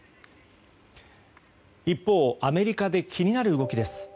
一方、アメリカで気になる動きです。